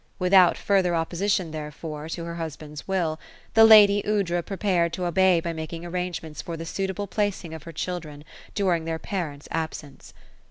Without further opposition, therefore, to her husband's will, the lady Aoudra prepared to obey by making arrangements for the suitable pla cing of her children during their parents' absence.